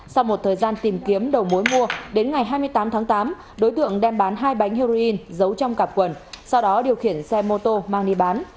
sau một thời gian tìm kiếm đầu mối mua đến ngày hai mươi tám tháng tám đối tượng đem bán hai bánh heroin giấu trong cặp quần sau đó điều khiển xe mô tô mang đi bán